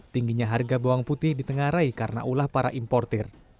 tingginya harga bawang putih ditengarai karena ulah para importer